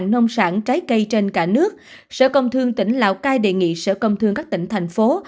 nông sản trái cây trên cả nước sở công thương tỉnh lào cai đề nghị sở công thương các tỉnh thành phố